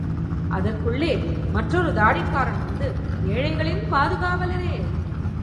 அதற்குள்ளே, மற்றொரு தாடிக்காரன் வந்து, ஏழைகளின் பாதுகாவலரே!